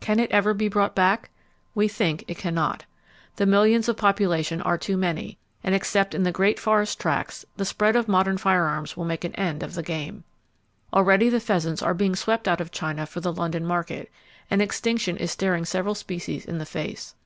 Can it ever be brought back? We think it can not. The millions of population are too many; and except in the great forest tracts, the spread of modern firearms will make an end of the game. Already the pheasants are being swept out of China for the London market, and extinction is staring several species in the face.